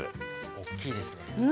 おっきいですね！